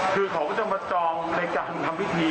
คือเขาก็จะมาจองในการทำพิธี